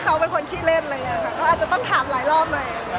เค้าอาจจะต้องถามหลายรอบ